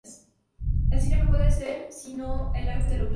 El cine no puede ser sino el arte de lo plano.